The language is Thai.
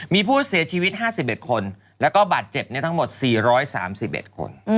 มีผู้เสียชีวิต๕๑คนแล้วก็บาดเจ็บทั้งหมด๔๓๑คน